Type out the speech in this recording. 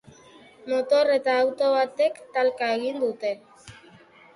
Motor eta auto batek talka egin dute.